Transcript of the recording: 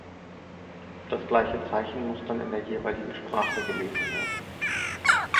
Das gleiche Zeichen muss dann in der jeweiligen Sprache gelesen werden.